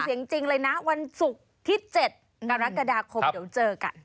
จริงเลยนะวันศุกร์ที่๗กรกฎาคมเดี๋ยวเจอกัน